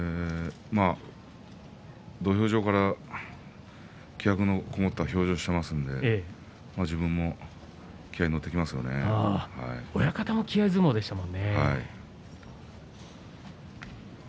土俵上から気迫のこもった表情をしていますので親方も気合い相撲でしたね。